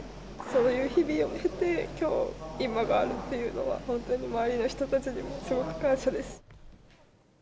そういう日々を経て、きょう、今があるというのは、本当に周りの人たちにも、すごく感謝です。